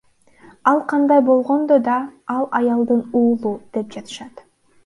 Ал кандай болгондо да, ал Алайдын уулу, деп жатышат.